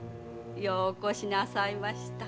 ようお越しなさいました。